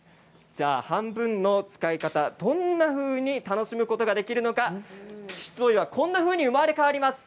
半分の使い方、どんなふうに楽しむことができるのか七島藺はこんなふうに生まれ変わります。